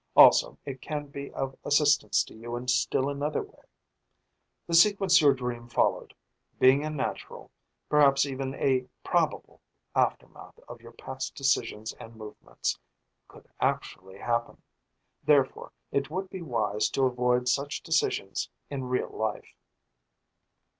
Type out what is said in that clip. "Also, it can be of assistance to you in still another way. The sequence your dream followed being a natural, perhaps even a probable, aftermath of your past decisions and movements could actually happen. Therefore it would be wise to avoid such decisions in real life."